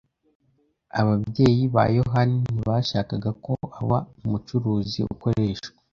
Ababyeyi ba yohani ntibashakaga ko aba umucuruzi ukoreshwa.